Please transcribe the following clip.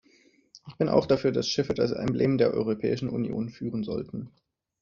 Ich bin auch dafür, dass Schiffe das Emblem der Europäischen Union führen sollten.